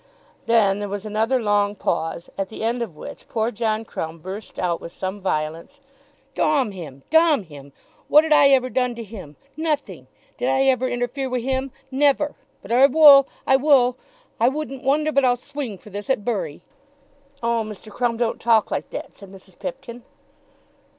Then there was another long pause, at the end of which poor John Crumb burst out with some violence. "Domn him! Domn him! What 'ad I ever dun to him? Nothing! Did I ever interfere wi' him? Never! But I wull. I wull. I wouldn't wonder but I'll swing for this at Bury!" "Oh, Mr. Crumb, don't talk like that," said Mrs. Pipkin.